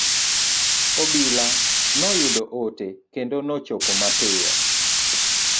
Obila noyudo ote kendo nochopo mapiyo.